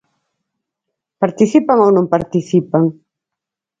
¿Participan ou non participan?